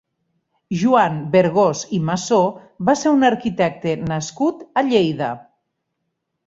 Joan Bergós i Massó va ser un arquitecte nascut a Lleida.